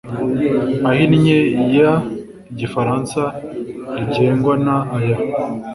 ahinnye y Igifaransa rigengwa n aya